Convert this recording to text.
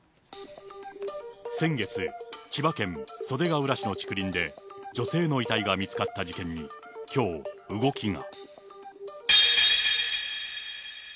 先月、千葉県袖ケ浦市の竹林で、女性の遺体が見つかった事件に、きょう動きが。